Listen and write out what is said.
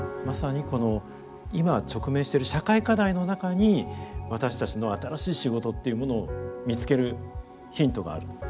まさにこの今直面してる社会課題の中に私たちの新しい仕事っていうものを見つけるヒントがある。